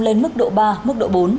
lên mức độ ba mức độ bốn